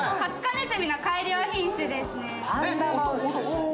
ネズミの改良品種ですね。